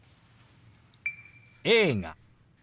「映画」。